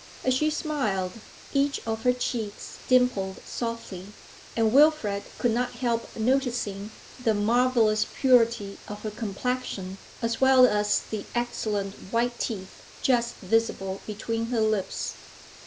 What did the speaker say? As she smiled, each of her cheeks dimpled softly, and Wilfrid could not help noticing the marvellous purity of her complexion, as well as the excellent white teeth just visible between her lips.